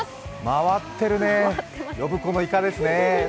回ってるね、呼子のいかですね。